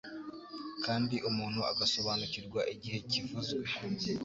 kandi umuntu agasobanukirwa igihe kivuzwe.